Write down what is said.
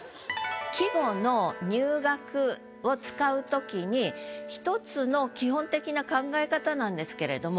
季語の「入学」を使う時に１つの基本的な考え方なんですけれども。